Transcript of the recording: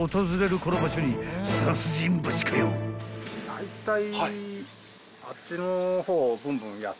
だいたい。